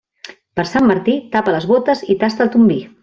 Per Sant Martí, tapa les bótes i tasta ton vi.